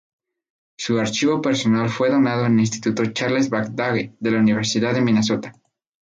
Su archivo personal fue donado al Instituto Charles Babbage de la Universidad de Minesota.